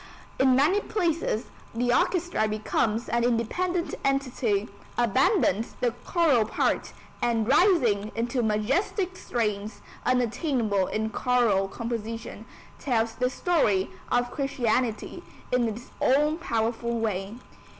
In many places the orchestra becomes an independent entity, abandons the choral part, and, rising into majestic strains unattainable in choral composition, tells the story of Christianity in its own powerful way.